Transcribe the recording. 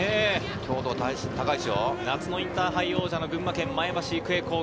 夏のインターハイ王者の群馬県・前橋育英高校。